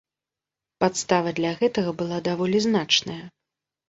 Падстава для гэтага была даволі значная.